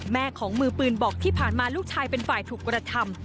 แม่ของมือปืนบอกที่ผ่านมาลูกชายเป็นฝ่ายถูกกระทำ